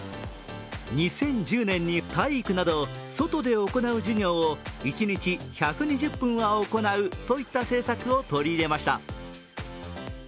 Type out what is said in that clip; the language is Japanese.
２０１０年に、体育など外で行う授業を、一日１２０分は行うという政策を取り入れました。